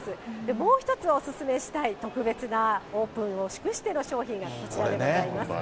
もう１つお勧めしたい特別なオープンを祝しての商品がこちらでございます。